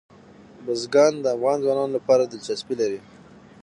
بزګان د افغان ځوانانو لپاره دلچسپي لري.